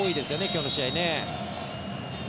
今日の試合ね。